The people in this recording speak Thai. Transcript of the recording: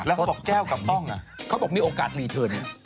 แล้วเขาบอกแก้วกับป้องเขาบอกมีโอกาสรีเทิร์น